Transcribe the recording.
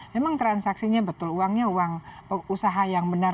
memang transaksinya betul uangnya uang usaha yang benar